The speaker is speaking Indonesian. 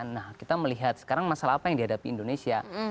nah kita melihat sekarang masalah apa yang dihadapi indonesia